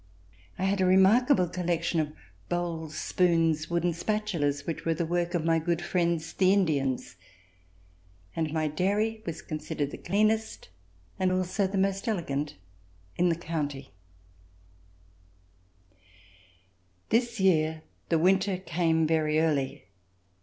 I had a re markable collection of bowls, spoons, wooden spatu las, which were the work of my good friends the Indians, and my dairy was considered the cleanest and also the most elegant in the country. [ 234 ] A VISIT TO NEW YORK This year the winter came very early.